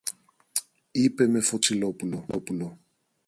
είπε με φωτιά το Βασιλόπουλο